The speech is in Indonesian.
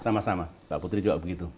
sama sama mbak putri juga begitu